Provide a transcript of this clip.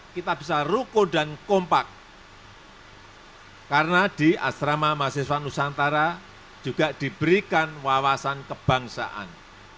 dan kita bisa ruko dan kompak karena di asrama masi suanusantara juga diberikan wawasan kebangsaan